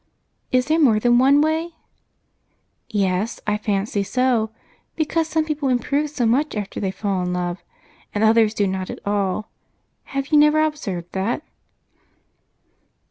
"Is there more than one way?" "Yes, I fancy so, because some people improve so much after they fall in love, and others do not at all. Have you never observed that?"